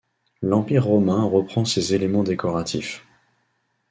L'Empire romain reprend ces éléments décoratifs.